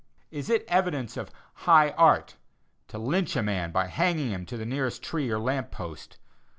Is it evidence of "high art" to lynch a man by hanging him to the nearest tree or lamp post?